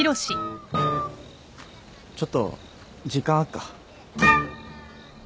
ちょっと時間あっか？